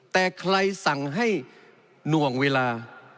แต่ใครสั่งให้หน่วงเวลา